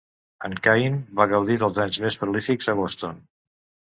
En Cain va gaudir dels anys més prolífics a Boston.